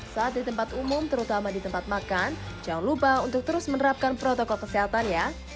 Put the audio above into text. saat di tempat umum terutama di tempat makan jangan lupa untuk terus menerapkan protokol kesehatan ya